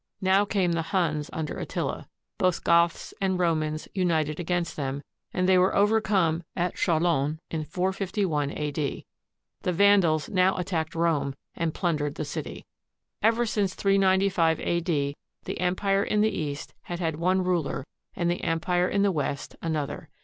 Now came the Huns under Attila. Both Goths and Romans united against them, and they were overcome at Chalons in 451 A.D. The Vandals now attacked Rome and plundered the city. Ever since 395 a.d., the Empire in the East had had one ruler and the Empire in the West another.